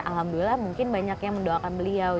alhamdulillah mungkin banyak yang mendoakan beliau